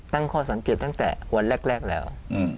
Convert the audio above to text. ตั้งข้อสังเกตตั้งแต่วันแรกแล้ว